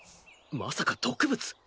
まさか毒物？